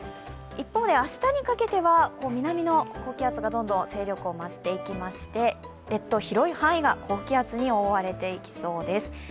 一方で明日にかけては南の高気圧がどんどん勢力を増していきまして列島、広い範囲で高気圧に覆われていきそうです。